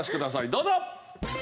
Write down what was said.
どうぞ！